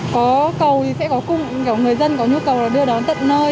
có cầu thì sẽ có nhiều người dân có nhu cầu đưa đón tận nơi